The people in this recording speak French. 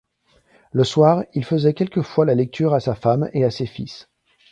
Le soir, il faisait quelquefois la lecture à sa femme et à ses fils.